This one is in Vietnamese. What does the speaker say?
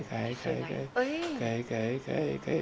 cái cái cái